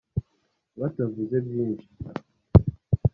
batavuze byinshi